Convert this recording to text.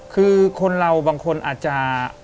คือคนเราบางคนอาจจะ